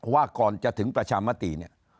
ว่าก่อนจะถึงประชามติเนี่ย